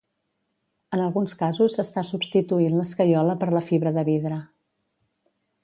En alguns casos s'està substituint l'escaiola per la fibra de vidre.